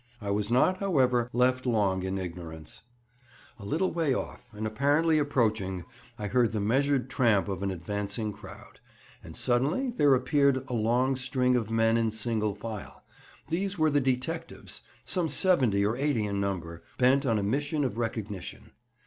I was not, however, left long in ignorance. [Picture: "Should old acquaintance be forgot."] A little way off, and apparently approaching, I heard the measured tramp of an advancing crowd, and suddenly there appeared a long string of men in single file; these were the detectives, some seventy or eighty in number, bent on a mission of recognition.